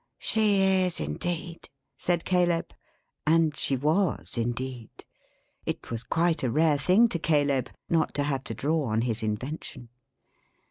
"She is indeed," said Caleb. And she was indeed. It was quite a rare thing to Caleb, not to have to draw on his invention.